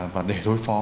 và để đối phó